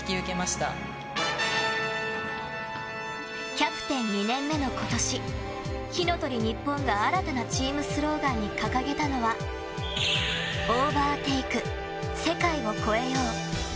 キャプテン２年目の今年火の鳥ＮＩＰＰＯＮが新たなチームスローガンに掲げたのはＯＶＥＲＴＡＫＥ世界を越えよう。